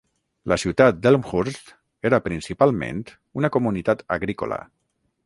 La ciutat d'Elmhurst era principalment una comunitat agrícola.